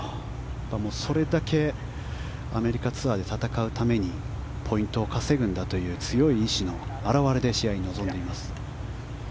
それだけアメリカツアーで戦うためにポイントを稼ぐんだという強い意思の表れで試合に臨んでいます。